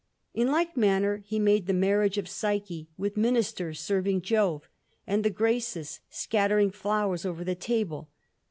In like manner he made the Marriage of Psyche, with ministers serving Jove, and the Graces scattering flowers over the table.